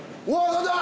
何だ！